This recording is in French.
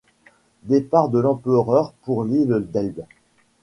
Départ de l'empereur pour l'île d'Elbe.